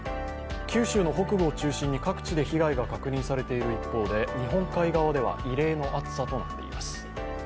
九州の北部を中心に各地で被害が確認されている一方で、日本海側では、異例の暑さとなっています。